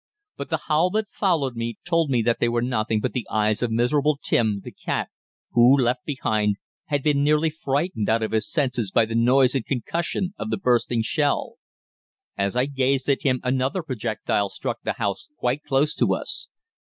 But the howl that followed told me that they were nothing but the eyes of miserable Tim, the cat, who, left behind, had been nearly frightened out of his senses by the noise and concussion of the bursting shell. As I gazed at him another projectile struck the house quite close to us.